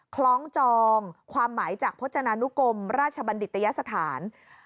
คล้องจองความหมายจากพจนานุกรมราชบัณฑิตยสถาน